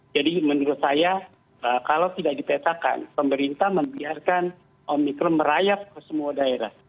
jadi menurut saya kalau tidak dipetakan pemerintah membiarkan omikron merayap ke semua daerah